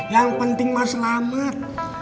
yang penting mah selamat